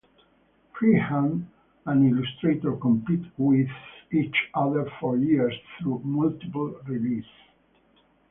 FreeHand and Illustrator competed with each other for years through multiple releases.